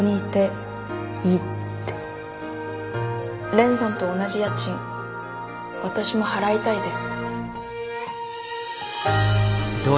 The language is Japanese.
蓮さんと同じ家賃私も払いたいです。